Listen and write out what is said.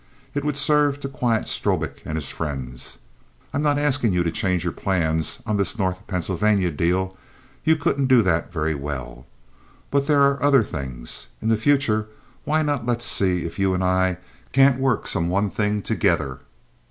It would serve to quiet Strobik and his friends. "I'm not asking you to change your plans on this North Pennsylvania deal. You couldn't do that very well. But there are other things. In the future why not let's see if you and I can't work some one thing together?